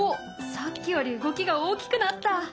さっきより動きが大きくなった。